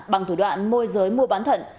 bằng thủ đoạn môi giới mua bán thận